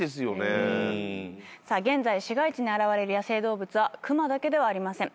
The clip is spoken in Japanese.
現在市街地に現れる野生動物は熊だけではありません。